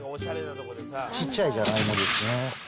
ちっちゃいじゃがいもですね。